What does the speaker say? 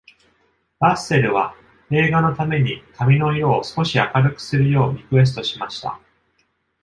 ラッセルは映画のために髪の色を少し明るくするようリクエストしました。